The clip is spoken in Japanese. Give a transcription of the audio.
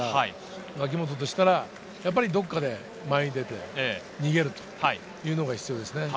脇本としたらどこかで前に出て逃げるというのが必要です。